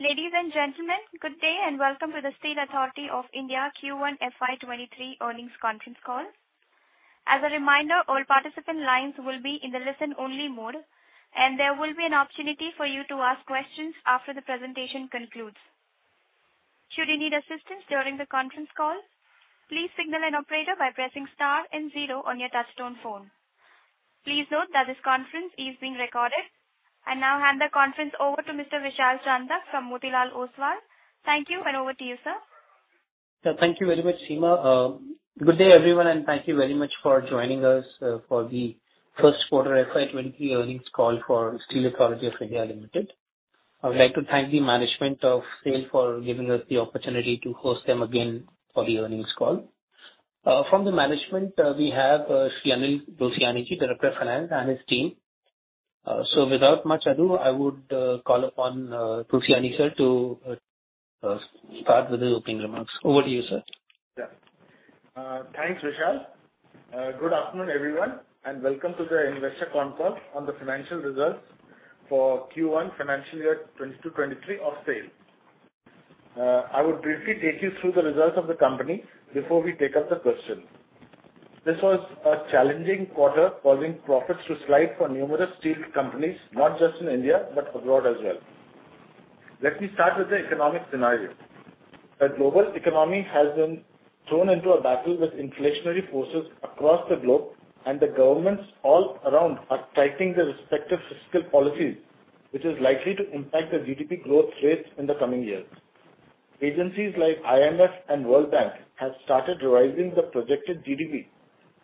Ladies and gentlemen, good day and welcome to the Steel Authority of India Q1 FY23 earnings conference call. As a reminder, all participant lines will be in the listen only mode, and there will be an opportunity for you to ask questions after the presentation concludes. Should you need assistance during the conference call, please signal an operator by pressing star and zero on your touchtone phone. Please note that this conference is being recorded. I now hand the conference over to Mr. Vishal Chandak from Motilal Oswal. Thank you and over to you, sir. Yeah, thank you very much, Seema. Good day, everyone, and thank you very much for joining us for the first quarter FY 2023 earnings call for Steel Authority of India Limited. I would like to thank the management of SAIL for giving us the opportunity to host them again for the earnings call. From the management, we have Shri Anil Kumar Tulsiani, Director of Finance and his team. So without much ado, I would call upon Tulsiani to start with his opening remarks. Over to you, sir. Yeah. Thanks, Vishal. Good afternoon, everyone, and welcome to the investor conference on the financial results for Q1 financial year 2022-23 of SAIL. I would briefly take you through the results of the company before we take up the questions. This was a challenging quarter causing profits to slide for numerous steel companies, not just in India, but abroad as well. Let me start with the economic scenario. The global economy has been thrown into a battle with inflationary forces across the globe and the governments all around are tightening their respective fiscal policies, which is likely to impact the GDP growth rates in the coming years. Agencies like IMF and World Bank have started revising the projected GDP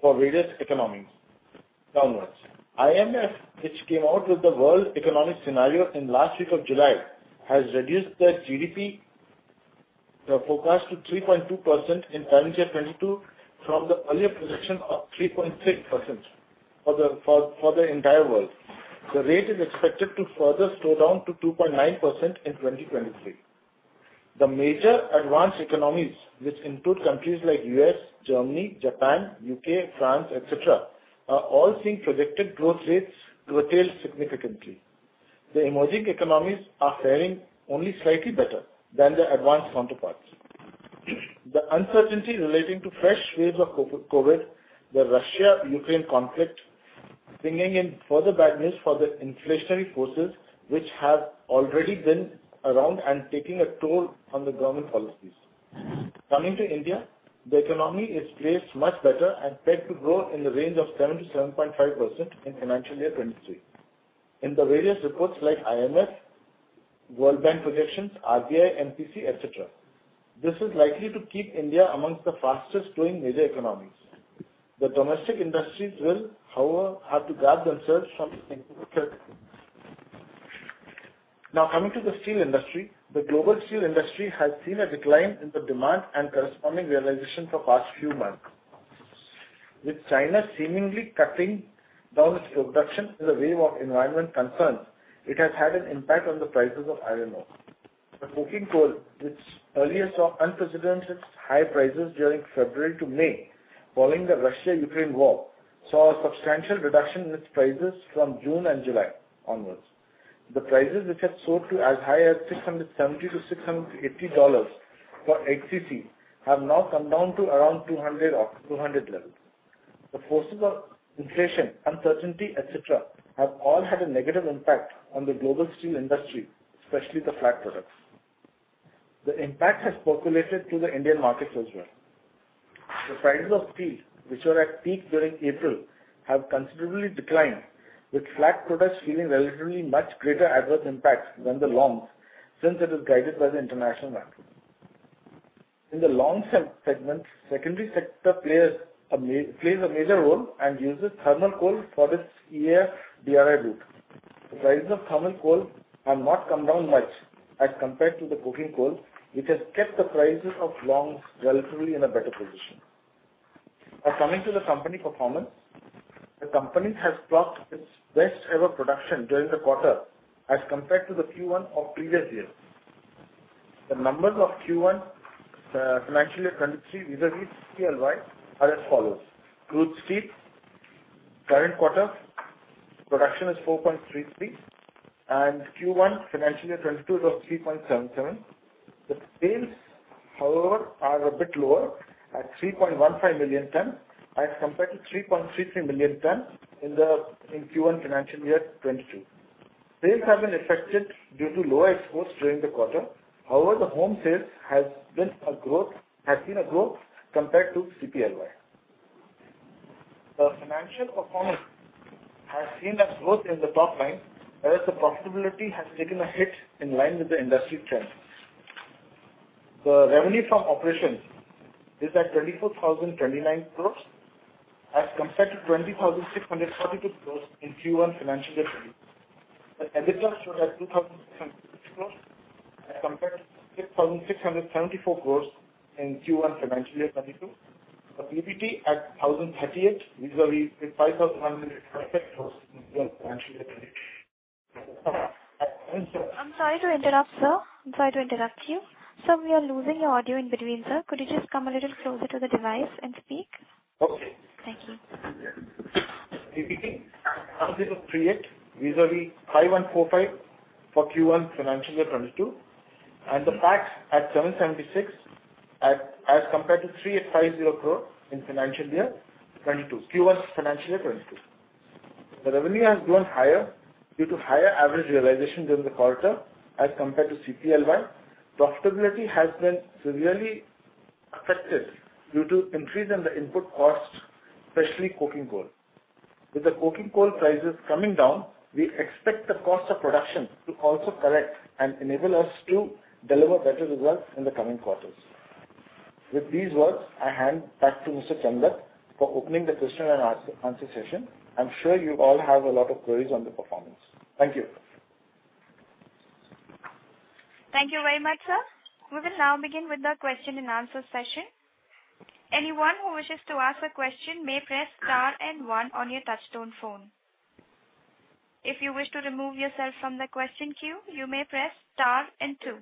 for various economies downwards. IMF, which came out with the world economic scenario in last week of July, has reduced their GDP forecast to 3.2% in financial year 2022 from the earlier projection of 3.6% for the entire world. The rate is expected to further slow down to 2.9% in 2023. The major advanced economies, which include countries like U.S., Germany, Japan, U.K., France, etc., are all seeing projected growth rates curtailed significantly. The emerging economies are faring only slightly better than their advanced counterparts. The uncertainty relating to fresh waves of COVID, the Russia-Ukraine conflict, bringing in further bad news for the inflationary forces, which have already been around and taking a toll on the government policies. Coming to India, the economy is placed much better and set to grow in the range of 7%-7.5% in financial year 2023. In the various reports like IMF, World Bank projections, RBI, MPC, etc. This is likely to keep India amongst the fastest growing major economies. The domestic industries will, however, have to guard themselves. Now, coming to the steel industry, the global steel industry has seen a decline in the demand and corresponding realization for past few months. With China seemingly cutting down its production in the wave of environmental concerns, it has had an impact on the prices of iron ore. The coking coal, which earlier saw unprecedented high prices during February to May following the Russia-Ukraine war, saw a substantial reduction in its prices from June and July onwards. The prices which had soared to as high as $670-$680 for HCC have now come down to around $200 levels. The forces of inflation, uncertainty, etc., have all had a negative impact on the global steel industry, especially the flat products. The impact has percolated to the Indian markets as well. The prices of steel, which were at peak during April, have considerably declined, with flat products feeling relatively much greater adverse impacts than the longs since it is guided by the international market. In the long segment, secondary sector players play a major role and uses thermal coal for its EAF-DRI route. The prices of thermal coal have not come down much as compared to the coking coal, which has kept the prices of longs relatively in a better position. Now, coming to the company performance. The company has clocked its best ever production during the quarter as compared to the Q1 of previous years. The numbers of Q1, financial year 2023 vis-à-vis CPLY are as follows. Crude steel current quarter production is 4.33 and Q1 financial year 2022 is of 3.77. The sales, however, are a bit lower at 3.15 million ton as compared to 3.33 million ton in Q1 financial year 2022. Sales have been affected due to lower exports during the quarter. However, the home sales has seen a growth compared to CPLY. The financial performance has seen a growth in the top line, whereas the profitability has taken a hit in line with the industry trends. The revenue from operations is at 24,029 crores as compared to 20,642 crores in Q1 financial year 2022. The EBITDA stood at 2,660 crores as compared to 6,674 crores in Q1 financial year 2022. The PBT at 1,038 vis-à-vis 5,150 crores in Q1 financial year 2022. I'm sorry to interrupt, sir. I'm sorry to interrupt you. Sir, we are losing your audio in between, sir. Could you just come a little closer to the device and speak? Okay. Thank you. Vis-à-vis INR 5,145 for Q1 financial year 2022, and the PAT at INR 776 as compared to INR 3,850 crore in financial year 2022 Q1 financial year 2022. The revenue has grown higher due to higher average realization during the quarter as compared to CPLY. Profitability has been severely affected due to increase in the input costs, especially coking coal. With the coking coal prices coming down, we expect the cost of production to also correct and enable us to deliver better results in the coming quarters. With these words, I hand back to Mr. Chandak for opening the question and answer session. I'm sure you all have a lot of queries on the performance. Thank you. Thank you very much, sir. We will now begin with the question and answer session. Anyone who wishes to ask a question may press star and one on your touchtone phone. If you wish to remove yourself from the question queue, you may press star and two.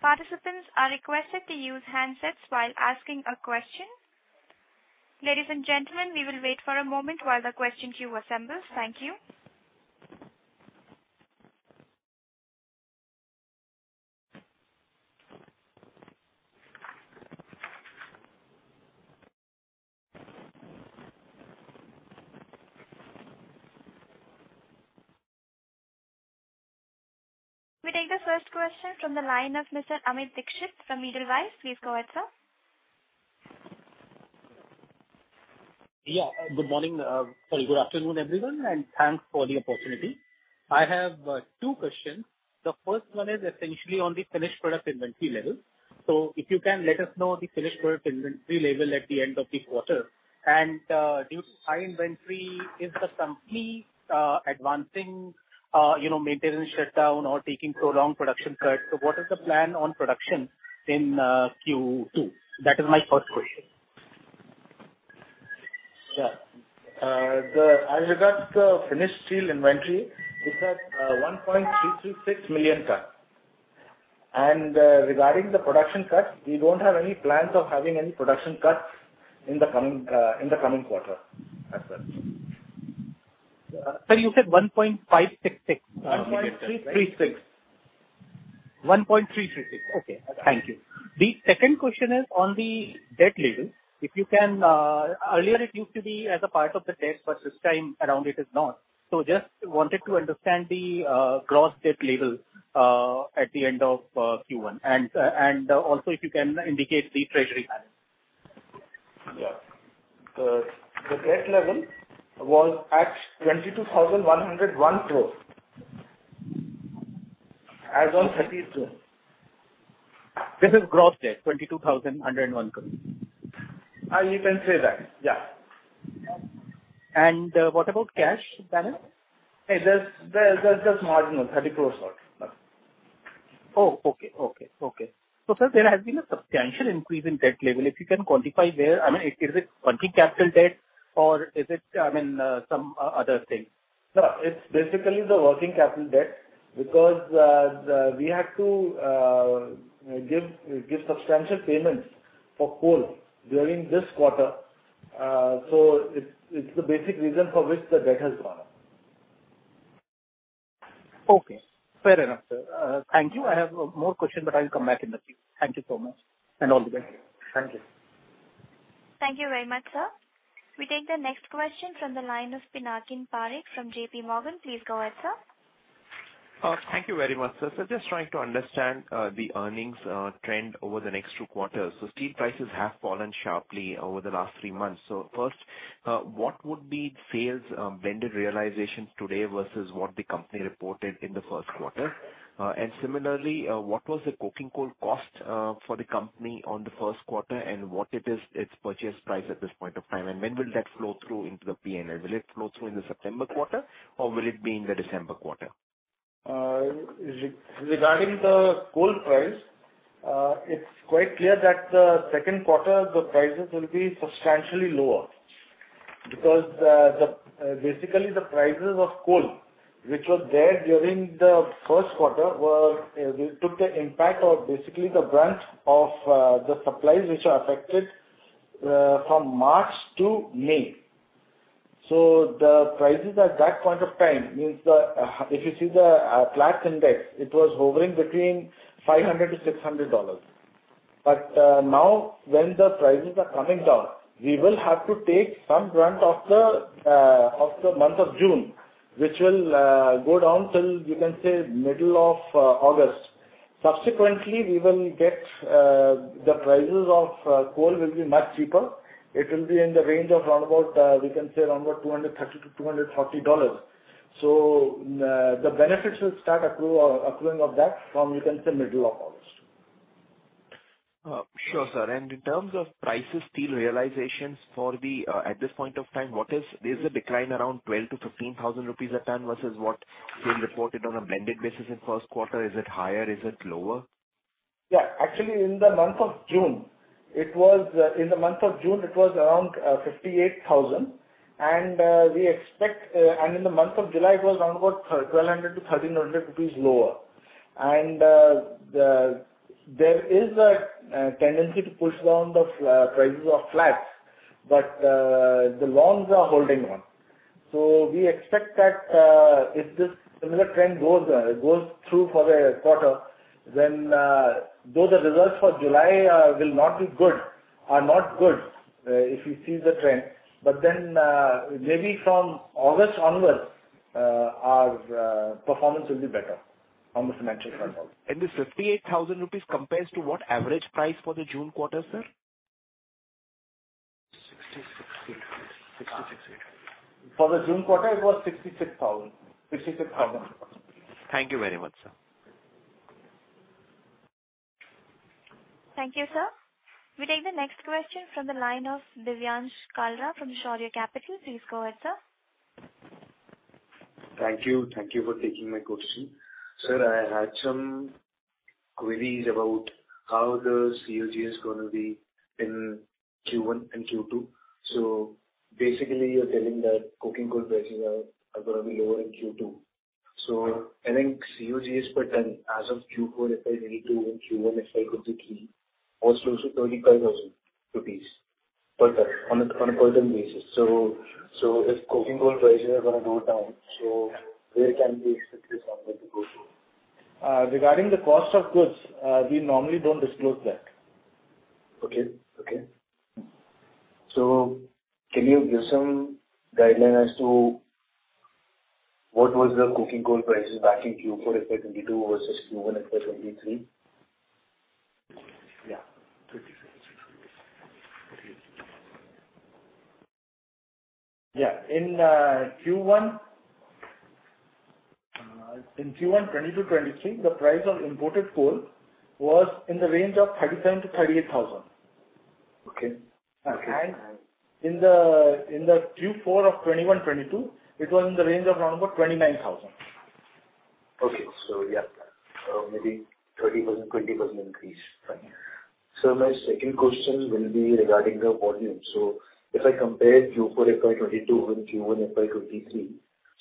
Participants are requested to use handsets while asking a question. Ladies and gentlemen, we will wait for a moment while the question queue assembles. Thank you. We take the first question from the line of Mr. Amit Dixit from Edelweiss. Please go ahead, sir. Yeah. Good morning. Sorry, good afternoon, everyone, and thanks for the opportunity. I have two questions. The first one is essentially on the finished product inventory level. So if you can let us know the finished product inventory level at the end of the quarter? Due to high inventory, is the company advancing you know maintenance shutdown or taking prolonged production cuts? What is the plan on production in Q2? That is my first question. As regards the finished steel inventory, it's at 1.336 million tons. Regarding the production cuts, we don't have any plans of having any production cuts in the coming quarter as such. Sir, you said 1.566- One point three three six. 1.336. Okay. Yeah. Thank you. The second question is on the debt level, if you can. Earlier it used to be as a part of the debt, but this time around it is not. Just wanted to understand the gross debt level at the end of Q1. And also if you can indicate the treasury balance. Yeah. The debt level was at 22,101 crore as on 32. This is gross debt, 22,101 crore. You can say that, yeah. What about cash balance? There's just marginal INR 30 crore or so. Oh, okay. Sir, there has been a substantial increase in debt level. If you can quantify where. I mean, is it working capital debt or is it, I mean, some other thing? No, it's basically the working capital debt because we had to give substantial payments for coal during this quarter. It's the basic reason for which the debt has gone up. Okay. Fair enough, sir. Thank you. I have more question, but I will come back in the queue. Thank you so much and all the best. Thank you. Thank you very much, sir. We take the next question from the line of Pinakin Parekh from JPMorgan. Please go ahead, sir. Thank you very much. Sir, just trying to understand the earnings trend over the next two quarters. Steel prices have fallen sharply over the last three months. First, what would be sales blended realizations today versus what the company reported in the first quarter? Similarly, what was the coking coal cost for the company in the first quarter and what is its purchase price at this point of time? When will that flow through into the P&L? Will it flow through in the September quarter or will it be in the December quarter? Regarding the coal price, it's quite clear that the second quarter the prices will be substantially lower because basically the prices of coal which were there during the first quarter took the impact of basically the brunt of the supplies which are affected from March to May. The prices at that point of time, I mean, if you see the Platts index, it was hovering between $500-$600. Now when the prices are coming down, we will have to take some account of the month of June, which will go down till you can say middle of August. Subsequently, we will get the prices of coal will be much cheaper. It will be in the range of around about, we can say around about $230-$240. The benefits will start accruing of that from, you can say middle of August. Sure sir. In terms of prices, steel realizations for the, at this point of time. There's a decline around 12,000-15,000 rupees a ton versus what you had reported on a blended basis in first quarter. Is it higher? Is it lower? Actually, in the month of June it was around 58,000. In the month of July it was around 1,200-1,300 rupees lower. There is a tendency to push down the prices of flats, but the longs are holding on. We expect that if this similar trend goes through for the quarter then though the results for July are not good if you see the trend, but then maybe from August onwards our performance will be better from the primary side also. This 58,000 rupees compares to what average price for the June quarter, sir? 66,666. For the June quarter it was 66,000. Thank you very much, sir. Thank you, sir. We take the next question from the line of Divyansh Kalra from Shaurya Capital. Please go ahead, sir. Thank you. Thank you for taking my question. Sir, I had some queries about how the COGS is gonna be in Q1 and Q2. Basically you're telling that coking coal prices are gonna be lower in Q2. I think COGS per ton as of Q4 FY 2022 and Q1 FY 2023 was close to INR 35,000 per ton on a per ton basis. If coking coal prices are gonna go down, where can we expect this number to go to? Regarding the cost of goods, we normally don't disclose that. Okay. Can you give some guideline as to what was the coking coal prices back in Q4 FY 2022 versus Q1 FY 2023? In Q1 2022/2023, the price of imported coal was in the range of 37,000-38,000. Okay. In the Q4 of 2021/2022, it was in the range of around 29,000. Okay. Yeah, maybe 30%, 20% increase. Fine. My second question will be regarding the volume. If I compare Q4 FY 2022 with Q1 FY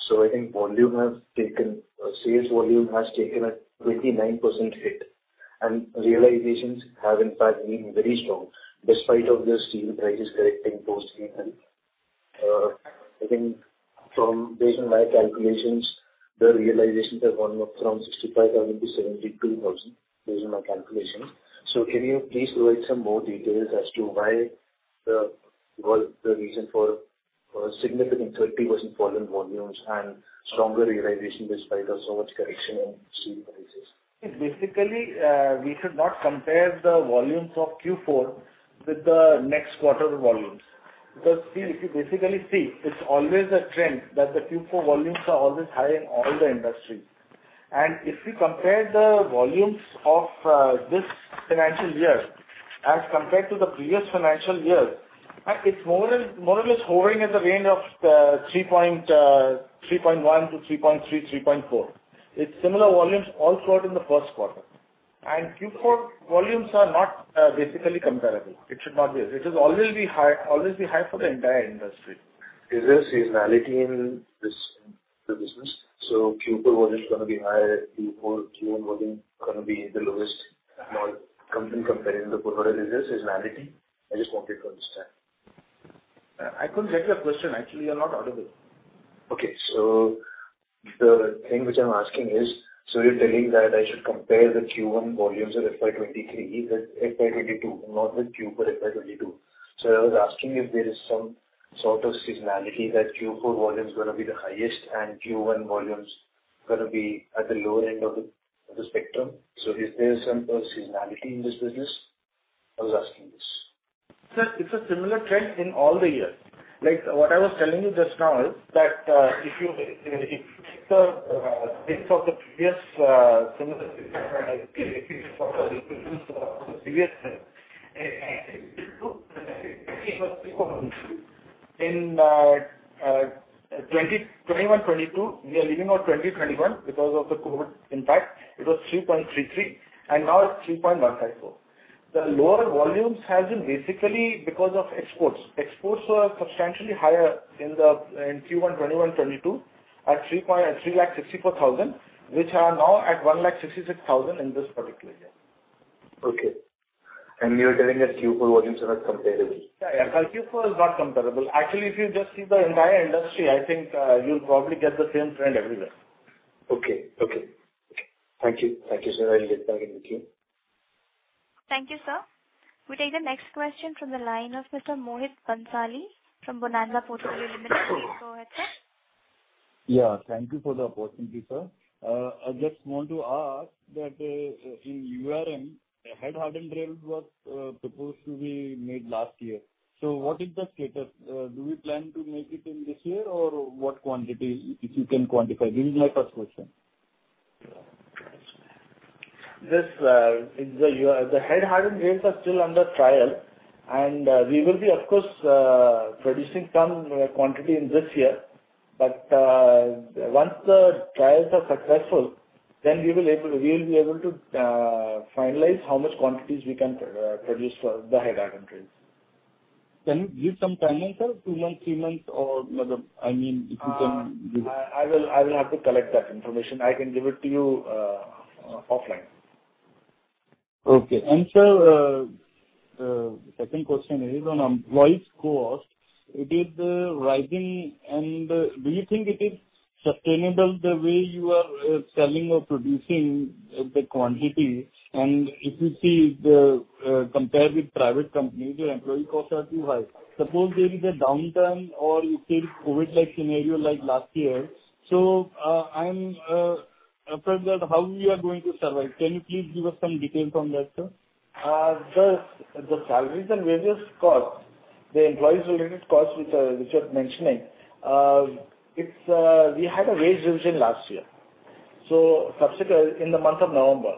2023, I think sales volume has taken a 29% hit, and realizations have in fact been very strong despite of the steel prices correcting post-COVID. Based on my calculations, the realizations have gone up from 65,000 to 72,000, based on my calculation. Can you please provide some more details as to why the volume, the reason for a significant 30% fall in volumes and stronger realization despite of so much correction in steel prices? Basically, we should not compare the volumes of Q4 with the next quarter volumes. Because if you basically see, it's always a trend that the Q4 volumes are always high in all the industry. If we compare the volumes of this financial year as compared to the previous financial year, it's more or less hovering in the range of 3.1 to 3.3.4. It's similar volumes all throughout in the first quarter. Q4 volumes are not basically comparable. It should not be. It is always be high for the entire industry. Is there seasonality in this, the business? Q4 volume is gonna be higher, Q4, Q1 volume gonna be the lowest. Now comparing the quarter, is this seasonality? I just wanted to understand. I couldn't get your question. Actually, you're not audible. Okay. The thing which I'm asking is, you're telling that I should compare the Q1 volumes of FY 2023 with FY 2022, not with Q4 FY 2022. I was asking if there is some sort of seasonality that Q4 volume is gonna be the highest and Q1 volume is gonna be at the lower end of the, of the spectrum. Is there some seasonality in this business? I was asking this. Sir, it's a similar trend in all the years. Like, what I was telling you just now is that, if you take the base of the previous similar in 2021, 2022, we are leaving out 2021 because of the COVID impact. It was 3.33, and now it's 3.154. The lower volumes has been basically because of exports. Exports were substantially higher in Q1 2021/2022 at 364,000, which are now at 166,000 in this particular year. Okay. You are telling that Q4 volumes are not comparable. Yeah, yeah. Q4 is not comparable. Actually, if you just see the entire industry, I think you'll probably get the same trend everywhere. Okay. Thank you. Thank you, sir. I will get back in with you. Thank you, sir. We take the next question from the line of Mr. Mohit Bhansali from Bonanza Portfolio Limited. Please go ahead, sir. Thank you for the opportunity, sir. I just want to ask that, in URM, Head Hardened Rails was proposed to be made last year. What is the status? Do we plan to make it in this year, or what quantity, if you can quantify? This is my first question. The Head Hardened Rails are still under trial, and we will be of course producing some quantity in this year. Once the trials are successful, we will be able to finalize how much quantities we can produce for the Head Hardened Rails. Can you give some timeline, sir? Two months, three months or, you know, I mean, if you can give. I will have to collect that information. I can give it to you, offline. Okay. Sir, second question is on employees' cost. It is rising, and do you think it is sustainable the way you are selling or producing the quantity? If you see compared with private companies, your employee costs are too high. Suppose there is a downturn or you face COVID-like scenario like last year. I'm concerned that how you are going to survive. Can you please give us some detail from that, sir? The salaries and wages cost, the employees' related costs which you're mentioning, it is we had a wage revision last year in the month of November.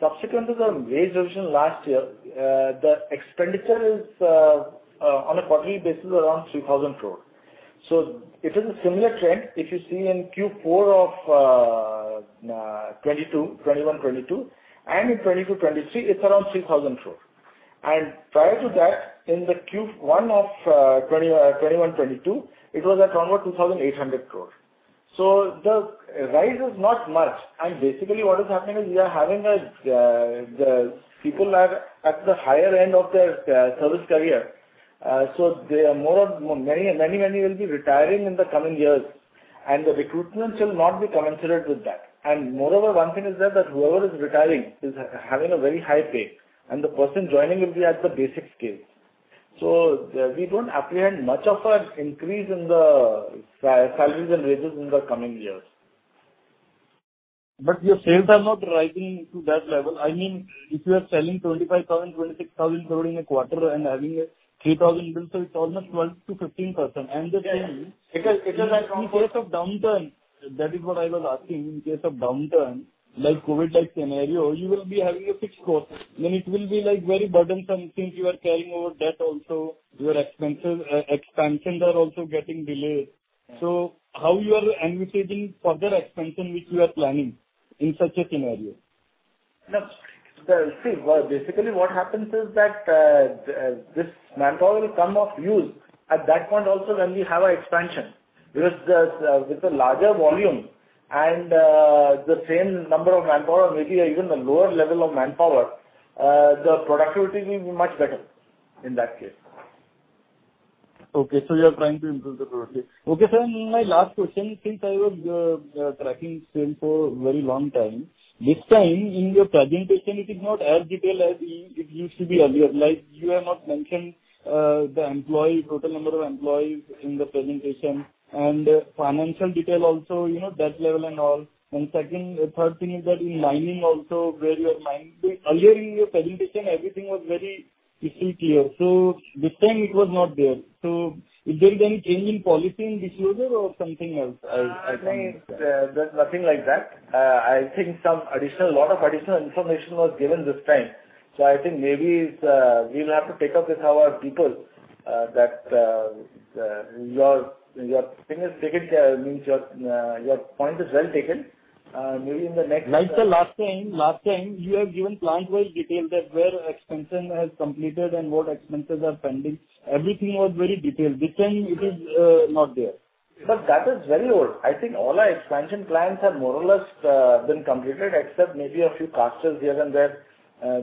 Subsequent to the wage revision last year, the expenditure is on a quarterly basis around 3,000 crore. It is a similar trend if you see in Q4 of 2021-2022 and in 2022-2023, it is around 3,000 crore. Prior to that, in the Q1 of 2020, 2021-2022, it was at around 2,800 crore. The rise is not much, and basically what is happening is we are having the people are at the higher end of their service career. They are more of many will be retiring in the coming years and the recruitment shall not be commensurate with that. Moreover, one thing is that whoever is retiring is having a very high pay and the person joining will be at the basic scale. We don't apprehend much of an increase in the salaries and wages in the coming years. Your sales are not rising to that level. I mean, if you are selling 25,000 crore-26,000 crore in a quarter and having a 3,000 crore, so it's almost 12%-15%. The thing is. Yeah. Because it is In case of downturn, that is what I was asking, in case of downturn, like COVID-like scenario, you will be having a fixed cost. Then it will be like very burdensome since you are carrying over debt also, your expenses, expansion are also getting delayed. So how you are anticipating further expansion which you are planning in such a scenario? No. See, basically what happens is that this manpower will come of use at that point also when we have our expansion. Because with the larger volume and the same number of manpower, maybe even the lower level of manpower, the productivity will be much better in that case. Okay. You are trying to improve the productivity. Okay, sir. My last question, since I was tracking this for a very long time, this time in your presentation it is not as detailed as it used to be earlier. Like, you have not mentioned the total number of employees in the presentation and financial detail also, you know, debt level and all. Second, third thing is that in mining also, where you are mining. Earlier in your presentation, everything was very easy, clear. This time it was not there. Is there any change in policy in disclosure or something else? I think- No, there's nothing like that. I think a lot of additional information was given this time. I think maybe we'll have to take up with our people that your point is well taken. Maybe in the next Like the last time, you have given plant-wide detail that where expansion has completed and what expenses are pending. Everything was very detailed. This time it is not there. That is very old. I think all our expansion plans have more or less been completed except maybe a few casters here and there,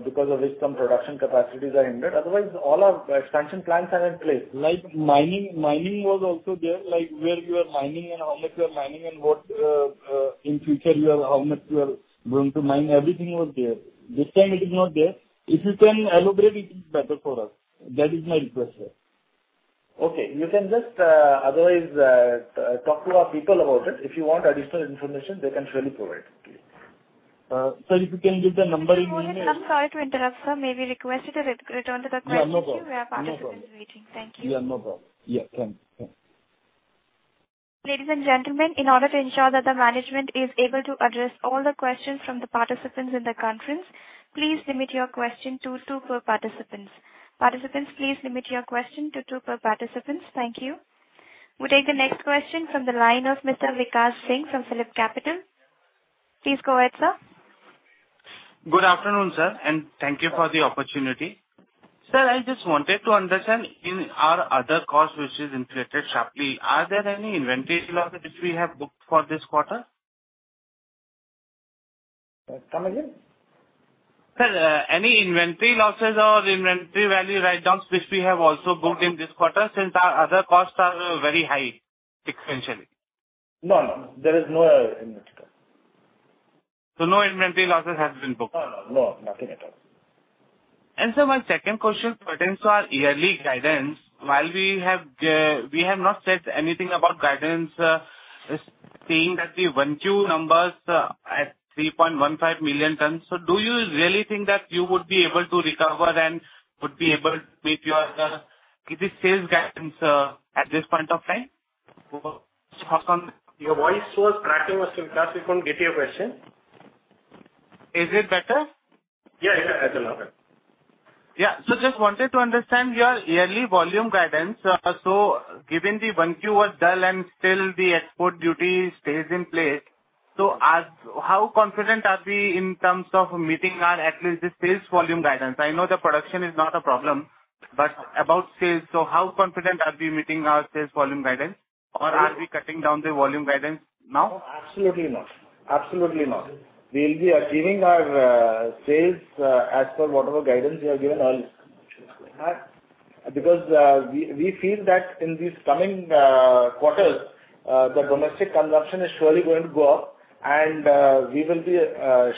because of which some production capacities are hindered. Otherwise, all our expansion plans are in place. Like mining was also there, like where you are mining and how much you are mining and what in future you are, how much you are going to mine. Everything was there. This time it is not there. If you can elaborate, it is better for us. That is my request, sir. Okay. You can just, otherwise, talk to our people about it. If you want additional information, they can surely provide it to you. If you can give the number in- Mr. Mohit, I'm sorry to interrupt, sir. May we request you to return to the question queue? Yeah, no problem. We have participants waiting. Thank you. Yeah, no problem. Yeah. Thank you. Ladies and gentlemen, in order to ensure that the management is able to address all the questions from the participants in the conference, please limit your question to two per participants. Participants, please limit your question to two per participants. Thank you. We take the next question from the line of Mr. Vikash Singh from PhillipCapital. Please go ahead, sir. Good afternoon, sir, and thank you for the opportunity. Sir, I just wanted to understand in our other costs which is inflated sharply, are there any inventory losses which we have booked for this quarter? Come again? Sir, any inventory losses or inventory value write-downs which we have also booked in this quarter since our other costs are very high exponentially? No, no. There is no inventory loss. No inventory losses has been booked? No, no. No. Nothing at all. Sir, my second question pertains to our yearly guidance. While we have not said anything about guidance, saying that the 1Q numbers are at 3.15 million tons. Do you really think that you would be able to recover and would be able to meet your sales guidance at this point of time for the first quarter? Your voice was cracking, Mr. Vikash. We couldn't get your question. Is it better? Yeah, yeah. That's a lot better. Just wanted to understand your yearly volume guidance. Given the 1Q was dull and still the export duty stays in place, how confident are we in terms of meeting our at least the sales volume guidance. I know the production is not a problem, but about sales. How confident are we meeting our sales volume guidance or are we cutting down the volume guidance now? No, absolutely not. We'll be achieving our sales as per whatever guidance we have given earlier. Because we feel that in these coming quarters the domestic consumption is surely going to go up and we will be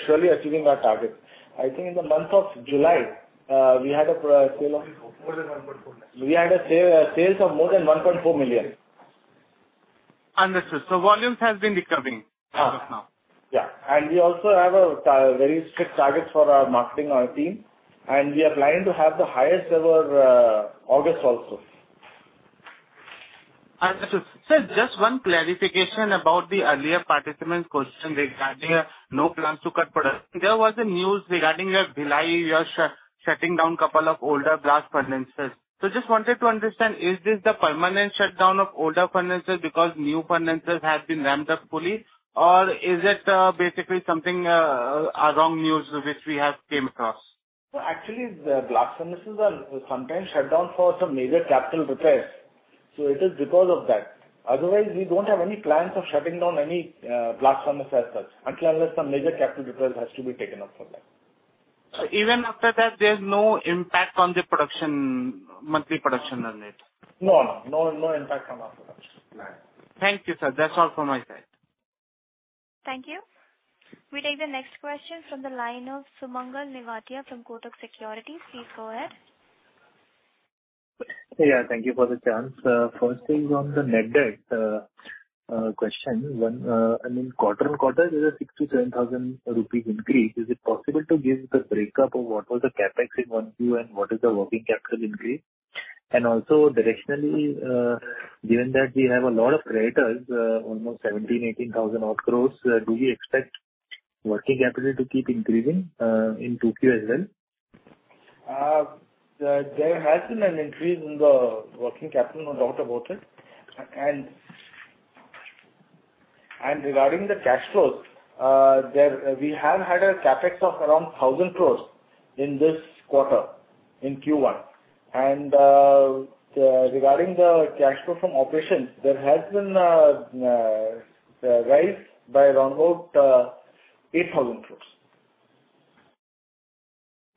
surely achieving our target. I think in the month of July we had a sale of More than 1.4 million. We had sales of more than 1.4 million. Understood. Volumes has been recovering as of now. Yeah. We also have a very strict target for our marketing team, and we are planning to have the highest ever August also. Understood. Sir, just one clarification about the earlier participant's question regarding no plans to cut production. There was a news regarding your Bhilai, you're shutting down couple of older blast furnaces. Just wanted to understand, is this the permanent shutdown of older furnaces because new furnaces have been ramped up fully? Or is it basically something, a wrong news which we have came across? No, actually the blast furnaces are sometimes shut down for some major capital repairs, so it is because of that. Otherwise, we don't have any plans of shutting down any blast furnace as such, until unless some major capital repair has to be taken up for that. Even after that, there's no impact on the production, monthly production or net? No, no. No, no impact on our production. No. Thank you, sir. That's all from my side. Thank you. We take the next question from the line of Sumangal Nevatia from Kotak Securities. Please go ahead. Yeah, thank you for the chance. First is on the net debt question. I mean, quarter-on-quarter there's a 6,000-10,000 rupees increase. Is it possible to give the breakup of what was the CapEx in 1Q and what is the working capital increase? And also directionally, given that we have a lot of creditors, almost 17,000-18,000 crores, do we expect working capital to keep increasing in 2Q as well? There has been an increase in the working capital, no doubt about it. Regarding the cash flows, there we have had a CapEx of around 1,000 crore in this quarter, in Q1. Regarding the cash flow from operations, there has been a rise by around about 8,000 crores.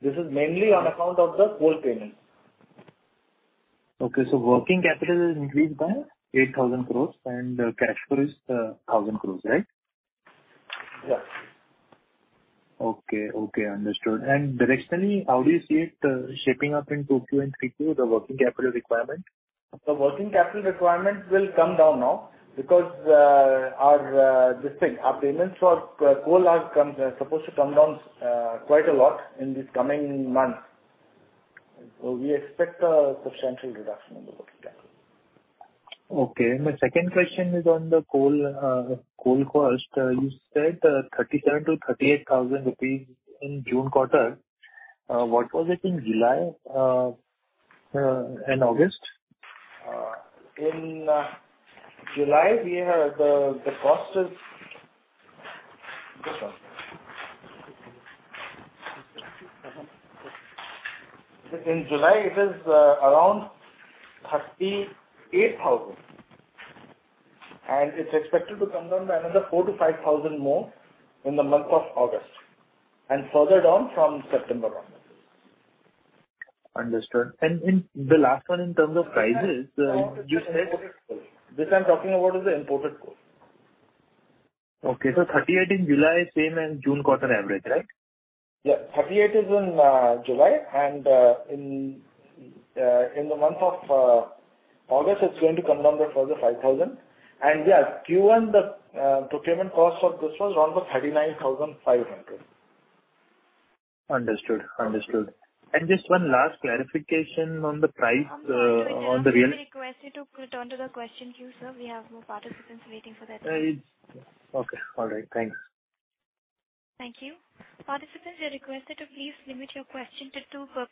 This is mainly on account of the coal payments. Okay. Working capital has increased by 8,000 crore and cash flow is 1,000 crore, right? Yeah. Okay. Okay, understood. Directionally, how do you see it shaping up in 2Q and 3Q, the working capital requirement? The working capital requirement will come down now because our payments for coal are supposed to come down quite a lot in this coming month. We expect a substantial reduction in the working capital. Okay. My second question is on the coal cost. You said 37,000-38,000 rupees in June quarter. What was it in July and August? In July it is around 38,000. It's expected to come down by another 4,000-5,000 more in the month of August, and further down from September onwards. Understood. The last one in terms of prices, you said. This, I'm talking about, is the imported coal. Okay. 38 in July, same as June quarter average, right? Yeah. 38,000 is in July and in the month of August, it's going to come down by further 5,000. Q1, the procurement cost for this was around 39,500. Understood. Just one last clarification on the price, on the real- I'm very sorry. Can I request you to return to the question queue, sir? We have more participants waiting for their turn. Okay. All right. Thanks. Thank you. Participants, you're requested to please limit your question to two per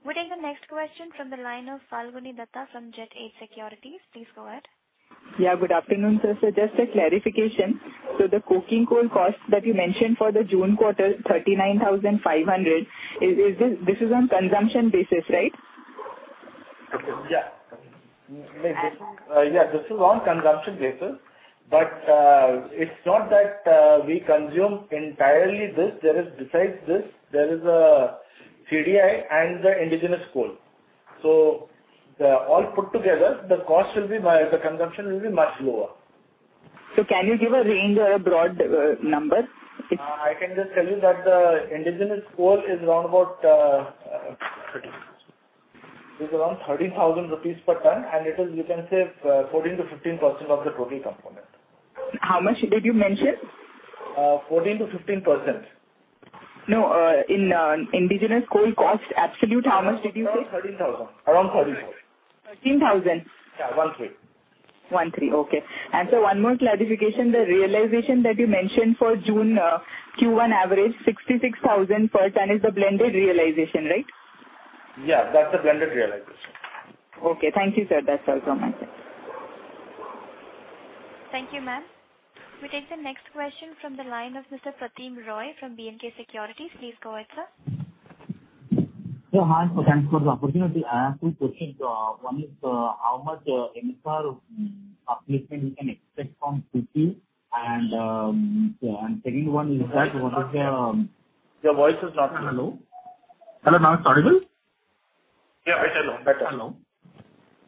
participant. We take the next question from the line of Falguni Dutta from Jet Age Securities. Please go ahead. Yeah, good afternoon, sir. Just a clarification. The coking coal cost that you mentioned for the June quarter, 39,500, is this on consumption basis, right? Yeah, this is on consumption basis. It's not that we consume entirely this. There is besides this, CDI and the indigenous coal. All put together, the cost will be lower, the consumption will be much lower. Can you give a range or a broad number? I can just tell you that the indigenous coal is around 30,000 rupees per ton, and it is, you can say, 14%-15% of the total component. How much did you mention? Uh, 14%-15%. No, in indigenous coal cost absolute, how much did you say? Around 13,000. Around 13. 13,000. Yeah. One-three. One-three. Okay. One more clarification. The realization that you mentioned for June, Q1 average 66,000 per ton is the blended realization, right? Yeah, that's the blended realization. Okay. Thank you, sir. That's all from my side. Thank you, ma'am. We take the next question from the line of Mr. Pratim Roy from B&K Securities. Please go ahead, sir. Yeah, hi. Thanks for the opportunity. I have two questions. One is, how much NSR upliftment we can expect from 2Q? Second one is that what is the Your voice is not clear. Hello? Hello. Now it's audible? Yeah, better now.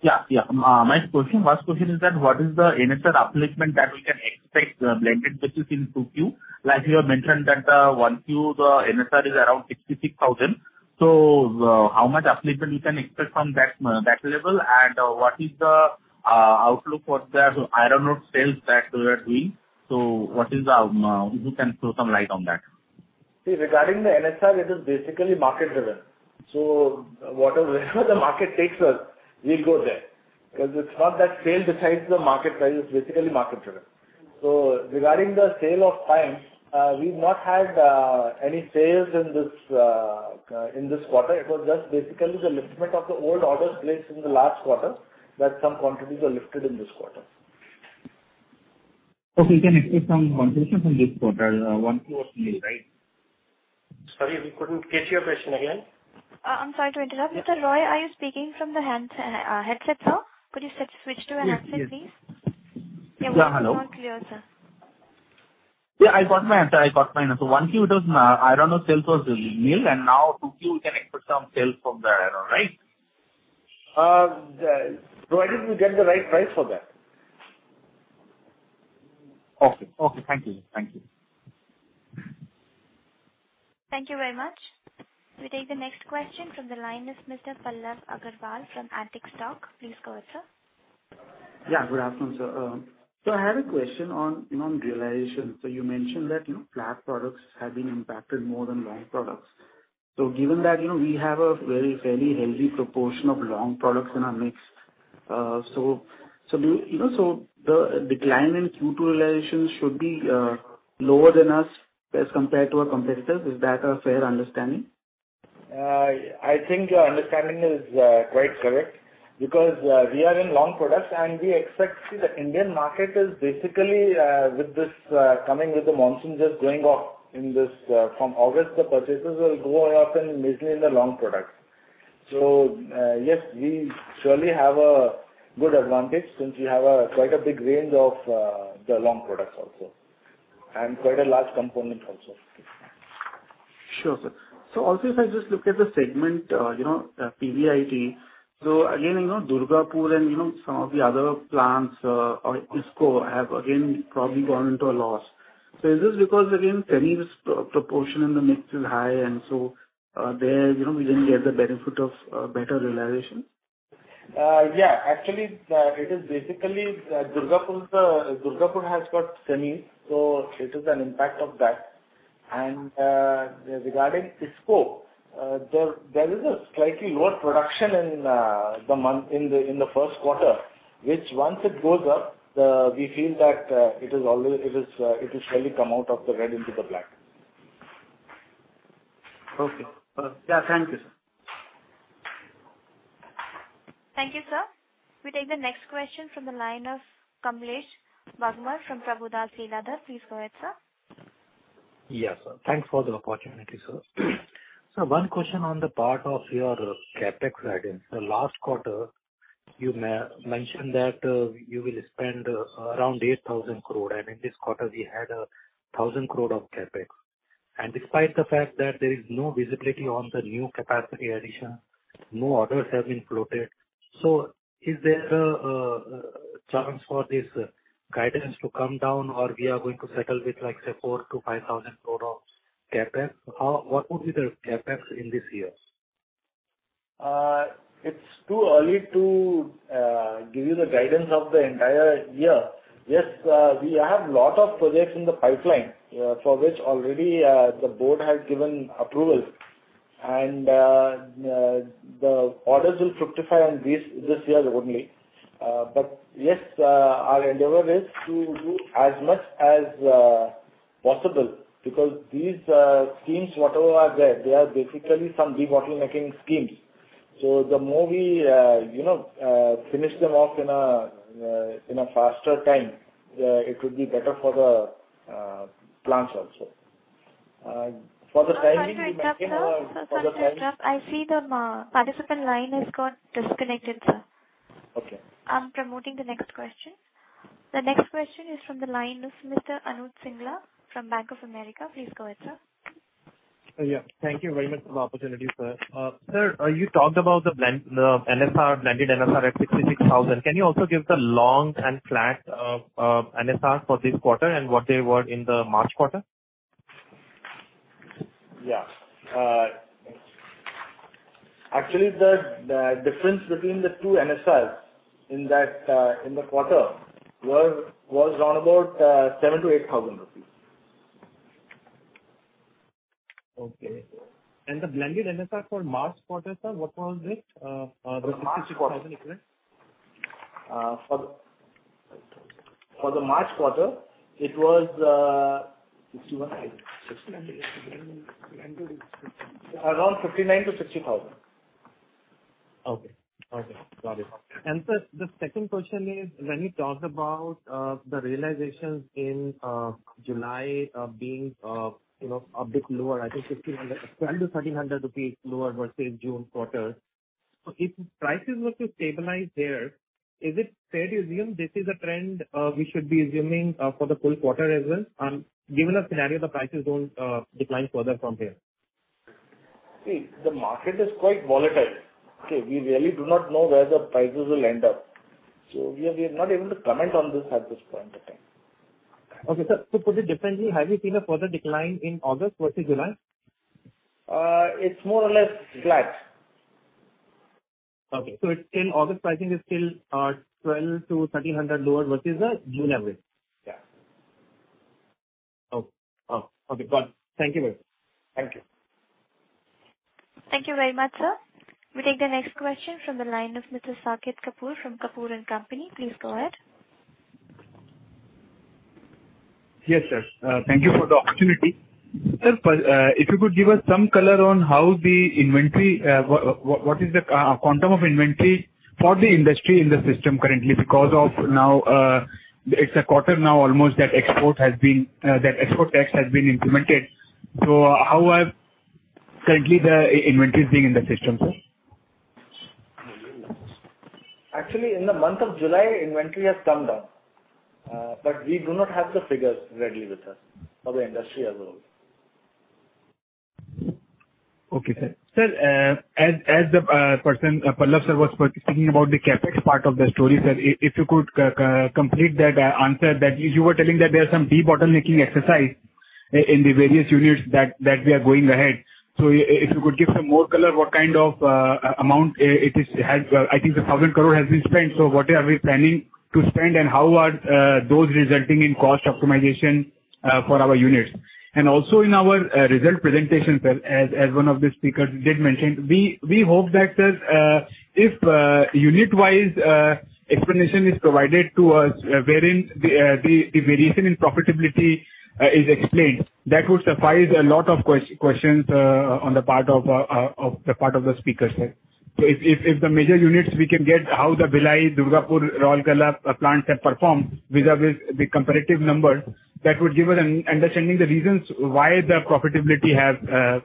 Better. My question, first question is that what is the NSR upliftment that we can expect, blended business in 2Q? Like you have mentioned that, 1Q, the NSR is around 66,000. So, how much upliftment we can expect from that level? And what is the outlook for the iron ore sales that we're doing? If you can throw some light on that. See, regarding the NSR, it is basically market-driven. Whatever the market takes us, we go there. It's not that sale decides the market price. It's basically market-driven. Regarding the sale of fines, we've not had any sales in this quarter. It was just basically the liftment of the old orders placed in the last quarter, that some quantities were lifted in this quarter. Okay. We can expect some contribution from this quarter, one quarter only, right? Sorry, we couldn't catch your question. Again. I'm sorry to interrupt. Mr. Roy, are you speaking from the handset, sir? Could you switch to a handset, please? Yes, please. Yeah. We can hear more clear, sir. Yeah, I got my answer. 1Q it was iron ore sales was nil, and now 2Q we can expect some sales from the iron ore, right? Provided we get the right price for that. Okay. Thank you. Thank you very much. We take the next question from the line of Mr. Pallav Agarwal from Antique Stock Broking. Please go ahead, sir. Yeah. Good afternoon, sir. I have a question on, you know, realization. You mentioned that, you know, flat products have been impacted more than long products. Given that, you know, we have a very, very healthy proportion of long products in our mix, so the decline in Q2 realization should be lower than us as compared to our competitors. Is that a fair understanding? I think your understanding is quite correct because we are in long products, and we expect. See, the Indian market is basically with this coming with the monsoon just going off in this from August, the purchases will go up and majorly in the long products. Yes, we surely have a good advantage since we have a quite a big range of the long products also, and quite a large component also. Sure, sir. Also if I just look at the segment, you know, PBIT, so again, you know, Durgapur and, you know, some of the other plants, or Visakhapatnam have again probably gone into a loss. Is this because, again, tinplate's proportion in the mix is high and so, there, you know, we didn't get the benefit of better realization? Yeah. Actually, it is basically Durgapur has got tinplate, so it is an impact of that. Regarding Visakhapatnam, there is a slightly lower production in the month in the first quarter, which once it goes up, we feel that it is surely come out of the red into the black. Okay. Yeah. Thank you, sir. Thank you, sir. We take the next question from the line of Kamlesh Bagmar from Prabhudas Lilladher. Please go ahead, sir. Yes. Thanks for the opportunity, sir. One question on the part of your CapEx guidance. Last quarter you mentioned that you will spend around 8,000 crore, and in this quarter we had 1,000 crore of CapEx. Despite the fact that there is no visibility on the new capacity addition, no orders have been floated. Is there a chance for this guidance to come down or we are going to settle with, like, say 4,000 crore-5,000 crore of CapEx? What would be the CapEx in this year? It's too early to give you the guidance of the entire year. Yes, we have lot of projects in the pipeline, for which already, the board has given approval, and, the orders will fructify on this year only. Yes, our endeavor is to do as much as possible because these schemes, whatever are there, they are basically some debottlenecking schemes. The more we you know finish them off in a faster time, it would be better for the plants also. For the timing we maintain our. Sorry to interrupt, sir. Sir, sorry to interrupt. I see the participant line has got disconnected, sir. Okay. I'm moving to the next question. The next question is from the line of Mr. Anuj Singla from Bank of America. Please go ahead, sir. Yeah. Thank you very much for the opportunity, sir. Sir, you talked about the blend, the NSR, blended NSR at 66,000. Can you also give the long and flat NSR for this quarter and what they were in the March quarter? Actually, the difference between the two NSRs in that quarter was around about 7,000-8,000 rupees. Okay. The blended NSR for March quarter, sir, what was it? The INR 66,000 equivalent. For the March quarter, it was INr 61,000 around 59,000-60,000. Okay. Got it. Sir, the second question is, when you talked about the realizations in July being you know a bit lower, I think 1,200-1,300 rupees lower versus June quarter. If prices were to stabilize there, is it fair to assume this is a trend we should be assuming for the full quarter as well, or given a scenario the prices don't decline further from here? See, the market is quite volatile. Okay? We really do not know where the prices will end up. We are not able to comment on this at this point in time. Okay, sir. To put it differently, have you seen a further decline in August versus July? It's more or less flat. Okay. It's in August, pricing is still 1,200-1,300 lower versus the June average? Yeah. Oh, oh, okay, got it. Thank you very much. Thank you. Thank you very much, sir. We take the next question from the line of Mr. Saket Kapoor from Kapoor & Co. Please go ahead. Yes, sir. Thank you for the opportunity. Sir, if you could give us some color on how the inventory, what is the quantum of inventory for the industry in the system currently because now it's almost a quarter that export tax has been implemented. How is the inventory currently in the system, sir? Actually, in the month of July, inventory has come down, but we do not have the figures readily with us for the industry as a whole. Okay, sir. Sir, as the person, Pallav sir was speaking about the CapEx part of the story, sir, if you could complete that answer that you were telling that there are some debottlenecking exercise in the various units that we are going ahead. If you could give some more color, what kind of amount it has. I think 1,000 crore has been spent. So what are we planning to spend, and how are those resulting in cost optimization for our units? Also in our result presentation, sir, as one of the speakers did mention, we hope that if unit-wise explanation is provided to us, wherein the variation in profitability is explained, that would suffice a lot of questions on the part of the speaker, sir. If the major units we can get how the Bhilai, Durgapur, Rourkela plants have performed vis-a-vis the comparative numbers, that would give an understanding the reasons why the profitability has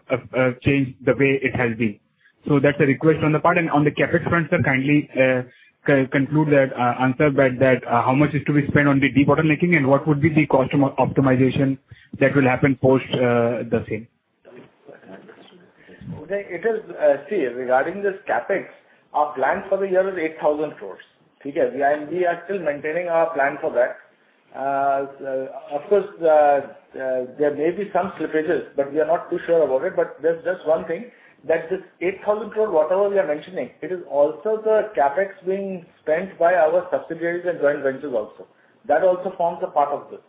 changed the way it has been. That's a request on the part. On the CapEx front, sir, kindly conclude that answer, that how much is to be spent on the debottlenecking and what would be the cost optimization that will happen post the same. Regarding this CapEx, our plan for the year is 8,000 crore. We are still maintaining our plan for that. Of course, there may be some slippages, but we are not too sure about it. There's just one thing, that this eight thousand crore, whatever we are mentioning, it is also the CapEx being spent by our subsidiaries and joint ventures also. That also forms a part of this.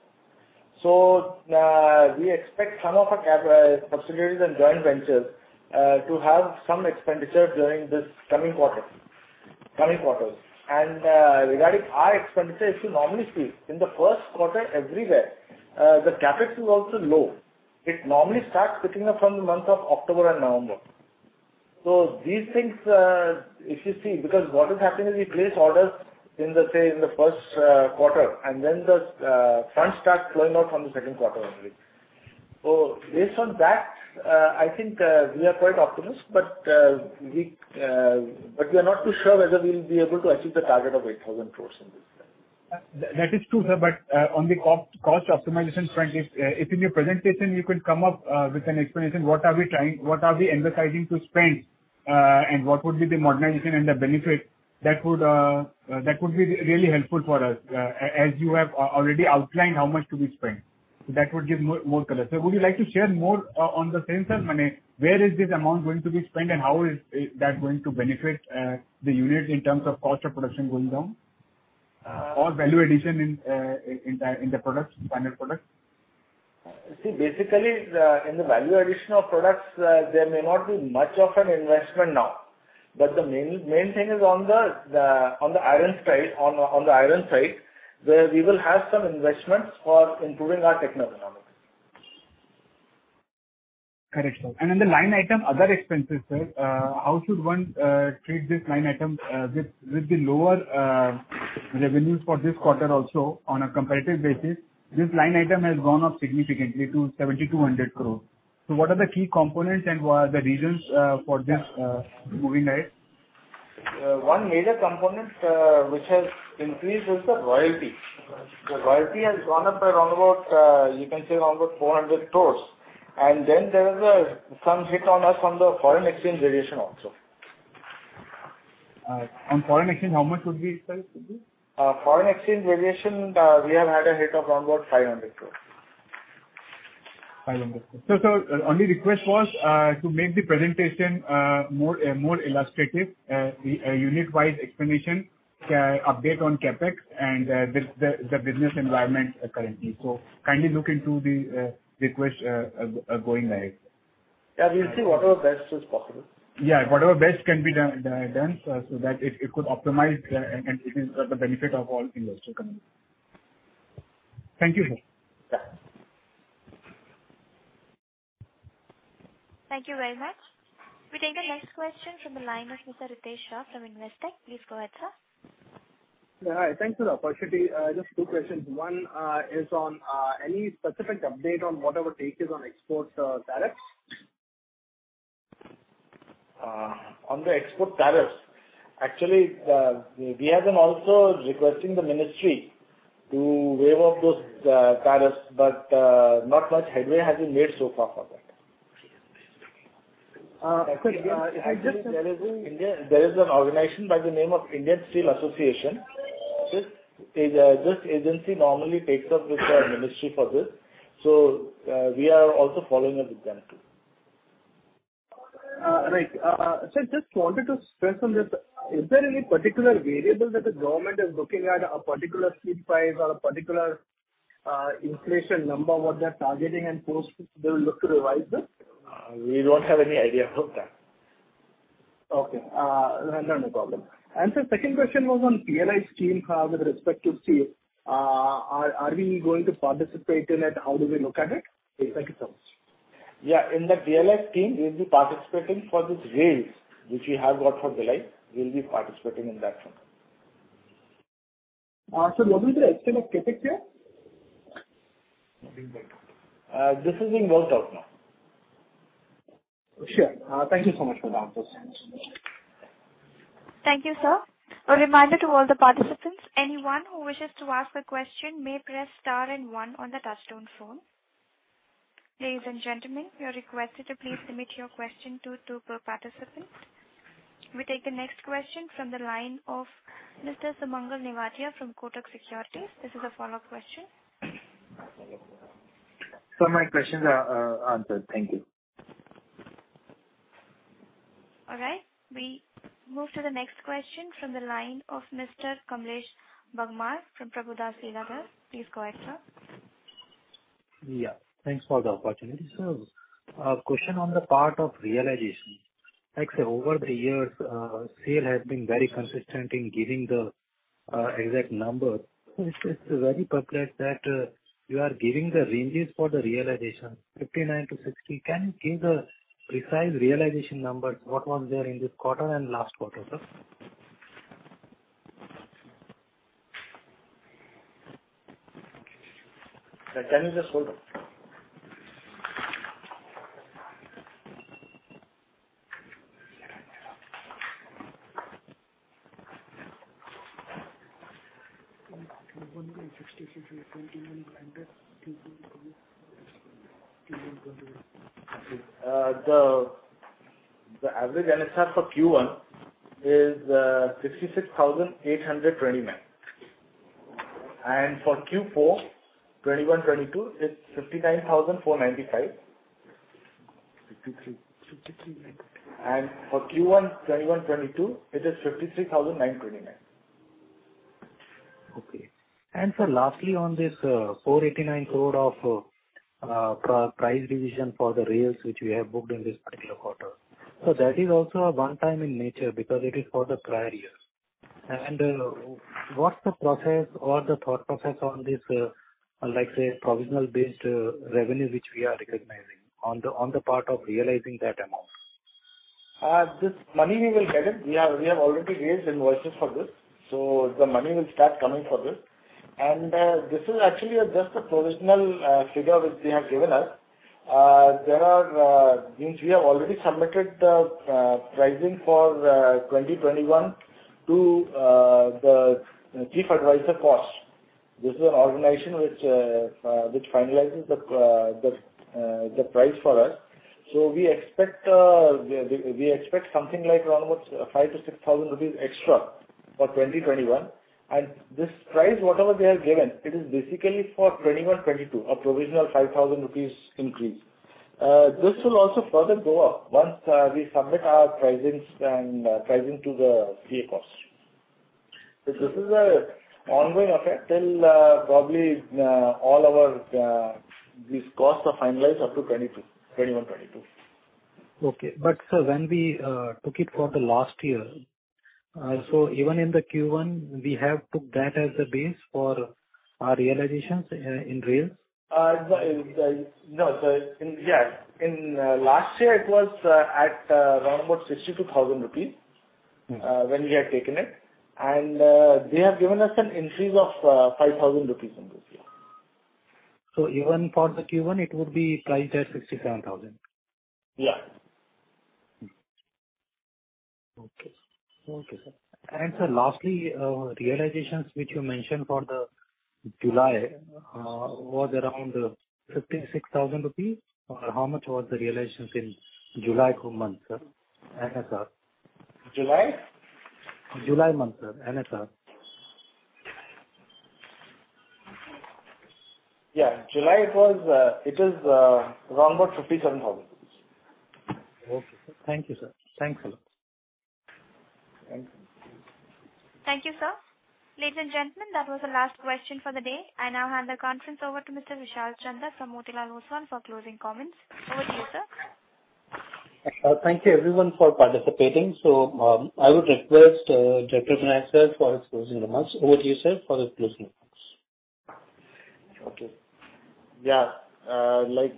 We expect some of our subsidiaries and joint ventures to have some expenditure during this coming quarter, coming quarters. Regarding our expenditure, if you normally see, in the first quarter everywhere, the CapEx is also low. It normally starts picking up from the month of October and November. These things, if you see, because what is happening is we place orders in the, say, in the first quarter, and then the funds start flowing out from the second quarter only. Based on that, I think we are quite optimistic, but we are not too sure whether we'll be able to achieve the target of 8,000 crore in this. That is true, sir. On the cost optimization front, if in your presentation you could come up with an explanation, what are we trying, what are we emphasizing to spend, and what would be the modernization and the benefit that would be really helpful for us, as you have already outlined how much to be spent. That would give more color. Would you like to share more on the CapEx, where is this amount going to be spent, and how is that going to benefit the unit in terms of cost of production going down, or value addition in the products, final products? See, basically, in the value addition of products, there may not be much of an investment now, but the main thing is on the iron side, where we will have some investments for improving our techno-economics. Correct, sir. In the line item, other expenses, sir, how should one treat this line item with the lower revenues for this quarter also on a comparative basis, this line item has gone up significantly to 7,200 crore. What are the key components and what are the reasons for this moving ahead? One major component, which has increased, is the royalty. The royalty has gone up by, you can say, around 400 crore. Then there is some hit on us from the foreign exchange variation also. On foreign exchange, how much would be exposed to be? Foreign exchange variation, we have had a hit of around about 500 crores. INR 500 crore. Sir, only request was to make the presentation more illustrative, unit-wise explanation, update on CapEx and the business environment currently. Kindly look into the request going ahead. Yeah, we'll see whatever best is possible. Yeah, whatever best can be done so that it could optimize the. It is for the benefit of all industrial community. Thank you, sir. Yeah. Thank you very much. We take the next question from the line of Mr. Ritesh Shah from Investec. Please go ahead, sir. Yeah. Thanks for the opportunity. Just two questions. One, is on any specific update on whatever take is on export tariffs? On the export tariffs, actually, we have been also requesting the ministry to waive off those tariffs, but not much headway has been made so far for that. Could we get Actually, there is in India an organization by the name of Indian Steel Association. This agency normally takes up with the ministry for this. We are also following up with them too. Just wanted to stress on this. Is there any particular variable that the government is looking at, a particular steel price or a particular, inflation number, what they're targeting and post they will look to revise this? We don't have any idea about that. Okay. Not a problem. Sir, second question was on PLI scheme with respect to steel. Are we going to participate in it? How do we look at it? Thank you so much. Yeah. In that PLI scheme, we'll be participating for this rails which we have got for Delhi. We'll be participating in that one. What will be the estimate CapEx here? Nothing right now. This is being worked out now. Sure. Thank you so much for the answers. Thank you, sir. A reminder to all the participants, anyone who wishes to ask a question may press star and one on the touchtone phone. Ladies and gentlemen, you are requested to please limit your question to two per participant. We take the next question from the line of Mr. Sumangal Nevatia from Kotak Securities. This is a follow-up question. Sir, my questions are answered. Thank you. All right. We move to the next question from the line of Mr. Kamlesh Bagmar from Prabhudas Lilladher. Please go ahead, sir. Yeah. Thanks for the opportunity. A question on the part of realization. Like say, over the years, sale has been very consistent in giving the exact number. It's very perplexing that you are giving the ranges for the realization, 59-60. Can you give the precise realization numbers, what was there in this quarter and last quarter, sir? Can you just hold on? The average NSR for Q1 is 66,829. For Q4 2021-2022, it's 59,495. For Q1 2021-2022, it is 53,929. Okay. Sir, lastly on this, 489 crore of price revision for the rails which we have booked in this particular quarter. That is also a one-time in nature because it is for the prior years. What's the process or the thought process on this, like, say, provisional based revenue which we are recognizing on the part of realizing that amount? This money we will get it. We have already raised invoices for this, so the money will start coming for this. This is actually just a provisional figure which they have given us. Means we have already submitted the pricing for 2021 to the Chief Advisor (Cost). This is an organization which finalizes the price for us. We expect something like around about 5,000-6,000 rupees extra for 2021. This price, whatever they have given, it is basically for 2021-2022, a provisional 5,000 rupees increase. This will also further go up once we submit our pricings and pricing to the CA (Cost). This is an ongoing effect till probably all our costs are finalized up to 2021-2022. Okay. Sir, when we took it for the last year, so even in the Q1 we have took that as a base for our realizations in rails? In last year it was at around about 62,000 rupees. Mm-hmm. When we had taken it. They have given us an increase of 5,000 rupees in this year. Even for the Q1 it would be priced at 67,000? Yeah. Okay, sir. Lastly, realizations which you mentioned for the July was around 56,000 rupees. How much was the realizations in July month, sir? NSR. July? July month, sir. NSR. Yeah. July it is around about 57,000. Okay, sir. Thank you, sir. Thanks a lot. Thank you. Thank you, sir. Ladies and gentlemen, that was the last question for the day. I now hand the conference over to Mr. Vishal Chandak from Motilal Oswal for closing comments. Over to you, sir. Thank you everyone for participating. I would request, Director Finance, sir, for his closing remarks. Over to you, sir, for the closing remarks. Okay. Yeah. Like,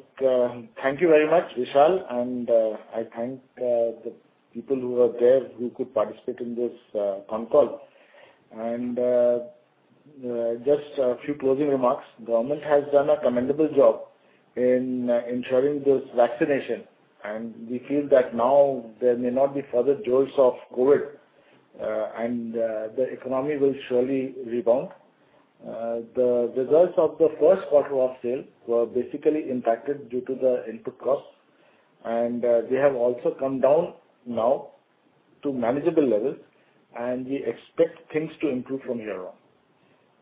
thank you very much, Vishal. I thank the people who were there who could participate in this conference call. Just a few closing remarks. Government has done a commendable job in ensuring this vaccination, and we feel that now there may not be further jolts of COVID, and the economy will surely rebound. The results of the first quarter sales were basically impacted due to the input costs, and they have also come down now to manageable levels, and we expect things to improve from here on.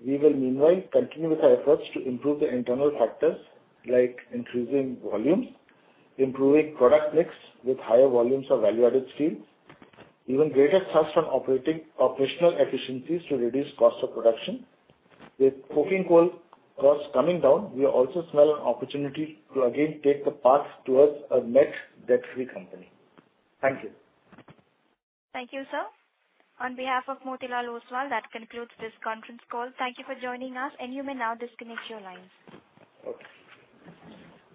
We will meanwhile continue with our efforts to improve the internal factors like increasing volumes, improving product mix with higher volumes of value-added steels, even greater stress on operational efficiencies to reduce cost of production. With coking coal costs coming down, we also smell an opportunity to again take the path towards a net debt-free company. Thank you. Thank you, sir. On behalf of Motilal Oswal, that concludes this conference call. Thank you for joining us and you may now disconnect your lines. Okay.